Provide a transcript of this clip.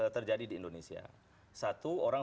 terjadi di indonesia satu orang